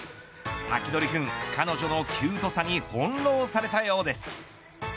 サキドリくん彼女のキュートさに翻弄されたようです。